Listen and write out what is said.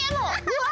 うわ！